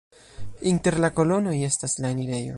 Inter la kolonoj estas la enirejo.